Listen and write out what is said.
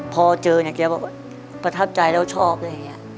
พอเจอเนี่ยแกบอกว่าประทับใจแล้วชอบอะไรอย่างนี้